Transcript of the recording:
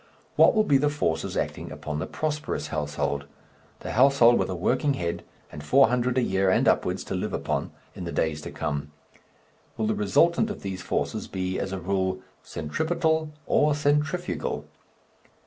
What will be the forces acting upon the prosperous household, the household with a working head and four hundred a year and upwards to live upon, in the days to come? Will the resultant of these forces be, as a rule, centripetal or centrifugal?